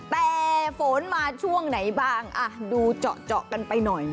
แต่ฝนมาช่วงไหนบ้างดูเจาะกันไปหน่อย